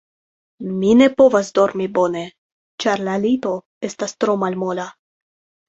Mi ne povas dormi bone, ĉar la lito estas tro malmola.